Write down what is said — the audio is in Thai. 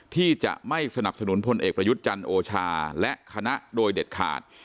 ที่จะไม่สนับสนุนพลเอกประยุทธ์จันทร์โอชาและคณะโดยเด็ดขาด